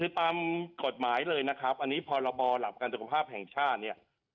คือตามกฎหมายเลยนะครับอันนี้พรบหลักการสุขภาพแห่งชาติเนี่ย